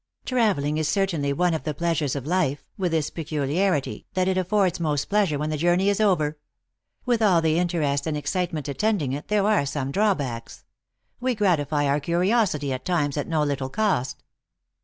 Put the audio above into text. u Traveling is certainly one of the pleasures of life, with this peculiarity, that it affords most pleasure when the journey is over. With all the interest and excite ment attending it, there are some drawbacks. We gratify our curiosity at times at no little cost.